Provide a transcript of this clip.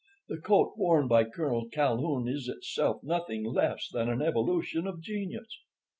The coat worn by Colonel Calhoun is itself nothing less than an evolution of genius.